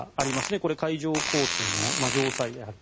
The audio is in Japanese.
これ、海上交通の要塞であると。